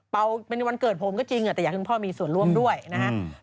เป็นวันเกิดผมก็จริงแต่อยากให้คุณพ่อมีส่วนร่วมด้วยนะฮะ